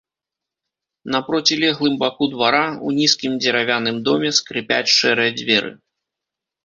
На процілеглым баку двара, у нізкім дзеравяным доме скрыпяць шэрыя дзверы.